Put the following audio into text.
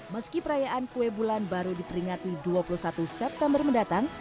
meski perayaan kue bulan baru diperingati dua puluh satu september mendatang